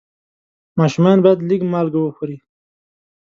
ماشومان باید لږ مالګه وخوري.